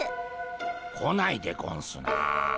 来ないでゴンスな。